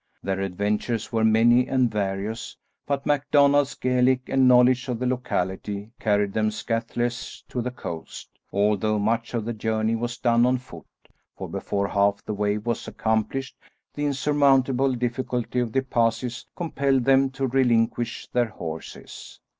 Their adventures were many and various, but MacDonald's Gaelic and knowledge of the locality carried them scatheless to the coast, although much of the journey was done on foot, for before half the way was accomplished the insurmountable difficulty of the passes compelled them to relinquish their horses.